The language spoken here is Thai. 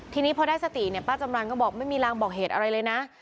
ทีนี้พอได้สติเนี่ยป้าจำรันก็บอกไม่มีรางบอกเหตุอะไรเลยนะ